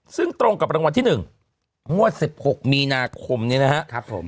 ซึ่งตรงกับรางวัลที่หนึ่งงวดสิบหกมีนาคมนี้นะฮะครับผม